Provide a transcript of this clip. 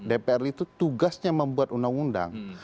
dpr itu tugasnya membuat undang undang